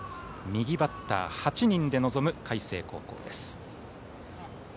右バッター８人で臨む海星高校です。